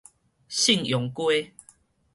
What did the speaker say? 信陽街